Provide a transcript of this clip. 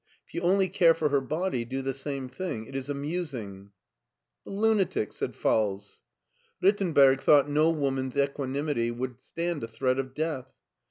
If you only care for her body, do the same. It is amusing." " The lunatic," said Falls. Rittenberg thought no woman's equanimity would stand a threat of death.